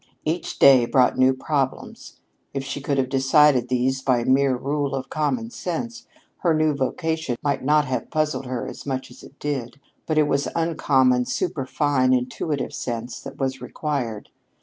Each day brought new problems. If she could have decided these by mere rule of common sense, her new vocation might not have puzzled her as much as it did. But it was uncommon, superfine, intuitive sense that was required.